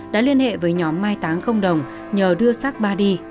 đã liên hệ với nhóm mai táng đồng nhờ đưa xác ba đi